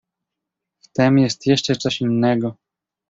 "W tem jest jeszcze coś innego."